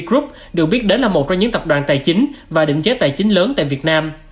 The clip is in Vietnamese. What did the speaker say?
group được biết đến là một trong những tập đoàn tài chính và định chế tài chính lớn tại việt nam